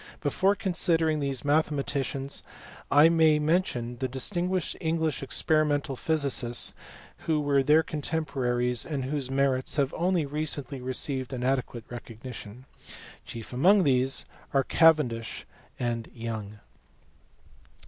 Before considering these mathematicians I may mention the distinguished English experimental physic ists who were their contemporaries, and whose merits have only recently received an adequate recognition. Chief among these are Cavendish and Young.